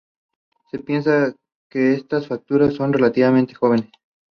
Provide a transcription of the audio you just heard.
Se piensa que estas fracturas son relativamente jóvenes.